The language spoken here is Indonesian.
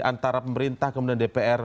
antara pemerintah kemudian dpr